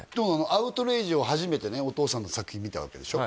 「アウトレイジ」を初めてねお父さんの作品見たわけでしょ？